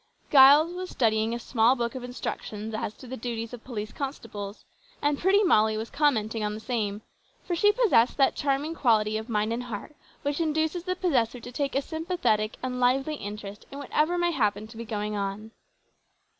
Giles was studying a small book of instructions as to the duties of police constables, and pretty Molly was commenting on the same, for she possessed that charming quality of mind and heart which induces the possessor to take a sympathetic and lively interest in whatever may happen to be going on.